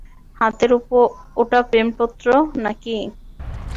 হাতের ওটা প্রেমপত্র না-কি?